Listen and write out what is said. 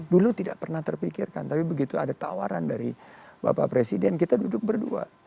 dulu tidak pernah terpikirkan tapi begitu ada tawaran dari bapak presiden kita duduk berdua